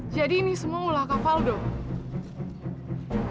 jadi ini semua ulah kapal dong